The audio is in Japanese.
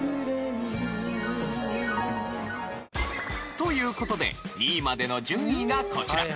という事で２位までの順位がこちら。